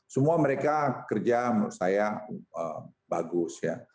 semua mereka kerja menurut saya bagus ya